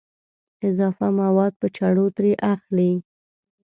اضافه مواد په چړو ترې اخلي.